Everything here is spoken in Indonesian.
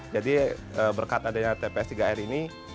jadi berkat adanya tps tiga r ini